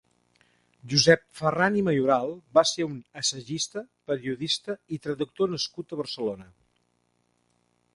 Josep Farran i Mayoral va ser un assagista, periodista i traductor nascut a Barcelona.